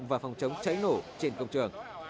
và phòng chống cháy nổ trên công trường